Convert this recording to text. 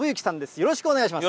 よろしくお願いします。